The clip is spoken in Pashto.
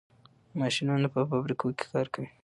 ماشینونه په فابریکو کې کار کوي.